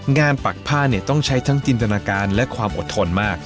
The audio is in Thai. ปักผ้าเนี่ยต้องใช้ทั้งจินตนาการและความอดทนมาก